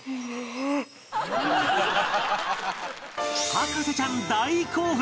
博士ちゃん大興奮！